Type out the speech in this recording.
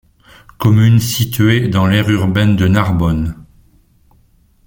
Commune située dans l'aire urbaine de Narbonne.